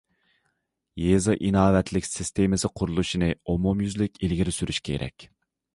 يېزا ئىناۋەت سىستېمىسى قۇرۇلۇشىنى ئومۇميۈزلۈك ئىلگىرى سۈرۈش كېرەك.